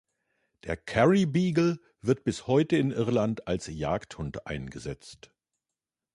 Der Kerry Beagle wird bis heute in Irland als Jagdhund eingesetzt.